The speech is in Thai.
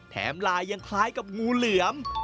ลายยังคล้ายกับงูเหลือม